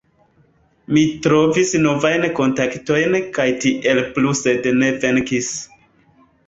Mi trovis novajn kontaktojn kaj tiel plu sed ne venkis